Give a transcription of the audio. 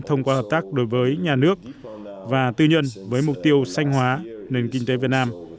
thông qua hợp tác đối với nhà nước và tư nhân với mục tiêu sanh hóa nền kinh tế việt nam